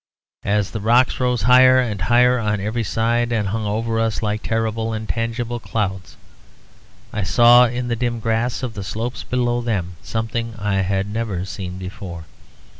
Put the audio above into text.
As the rocks rose higher and higher on every side, and hung over us like terrible and tangible clouds, I saw in the dim grass of the slopes below them something I had never seen before.